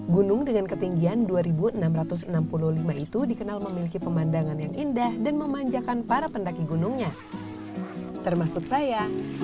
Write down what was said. gunung dengan ketinggian dua enam ratus enam puluh lima itu dikenal memiliki pemandangan yang indah dan memanjakan para pendaki gunungnya termasuk saya